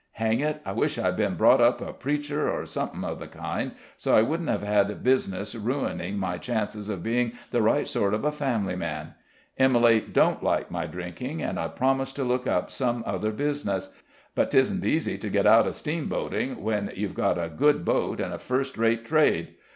Hang it! I wish I'd been brought up a preacher, or something of the kind, so I wouldn't have had business ruining my chances of being the right sort of a family man. Emily don't like my drinking, and I've promised to look up some other business; but 'tisn't easy to get out of steamboating when you've got a good boat and a first rate trade.